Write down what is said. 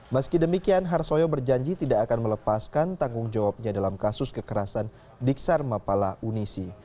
meski demikian harsoyo berjanji tidak akan melepaskan tanggung jawabnya dalam kasus kekerasan diksar mapala unisi